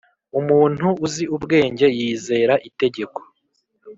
Umuntu uzi ubwenge yizera itegeko,